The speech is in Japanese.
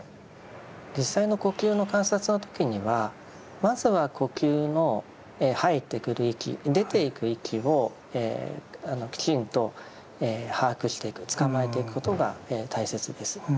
実際の呼吸の観察の時にはまずは呼吸の入ってくる息出ていく息をきちんと把握していくつかまえていくことが大切です。